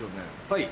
はい。